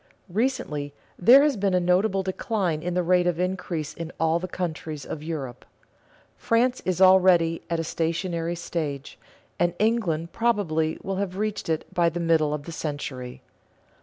Recently there has been a notable decline in the rate of increase in all the countries of Europe. France is already at the stationary stage, and England probably will have reached it by the middle of the century.